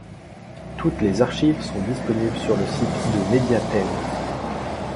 Toutes les archives sont disponibles sur le site de Média Thème.